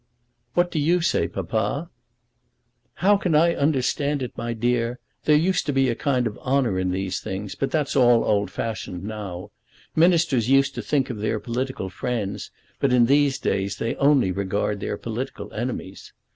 "What do you say, Papa?" "How can I understand it, my dear? There used to be a kind of honour in these things, but that's all old fashioned now. Ministers used to think of their political friends; but in these days they only regard their political enemies.